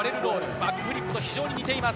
バックフリップと似ています。